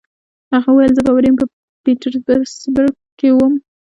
هغه وویل: زه باوري وم، په پیټسبرګ کې ووم.